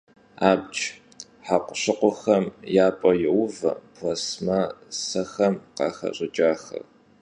Abc hekhuşıkhuxem ya p'e youve plastmassexem khıxeş'ıç'axer.